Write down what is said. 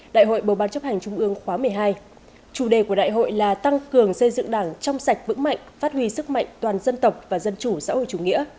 đại hội bầu ban chấp hành trung ương khóa một mươi hai chủ đề của đại hội là tăng cường xây dựng đảng trong sạch vững mạnh phát huy sức mạnh toàn dân tộc và dân chủ xã hội chủ nghĩa